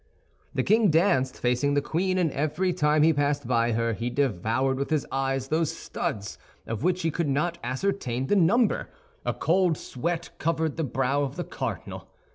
The king danced facing the queen, and every time he passed by her, he devoured with his eyes those studs of which he could not ascertain the number. A cold sweat covered the brow of the cardinal.